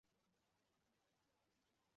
何首乌藤和木莲藤缠络着